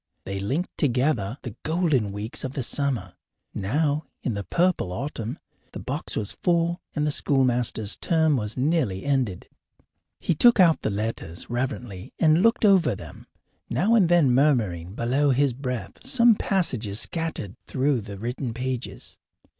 They linked together the golden weeks of the summer. Now, in the purple autumn, the box was full, and the schoolmaster's term was nearly ended. He took out the letters reverently and looked over them, now and then murmuring below his breath some passages scattered through the written pages.